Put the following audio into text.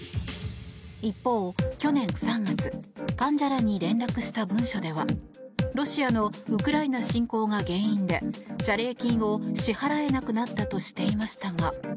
一方、去年３月患者らに連絡した文書ではロシアのウクライナ侵攻が原因で謝礼金を支払えなくなったとしていましたが。